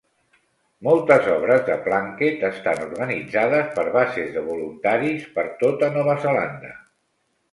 Moltes obres de Plunket estan organitzades per bases de voluntaris per tota Nova Zelanda.